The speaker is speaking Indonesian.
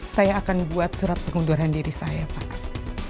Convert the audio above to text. saya akan buat surat pengunduran diri saya pak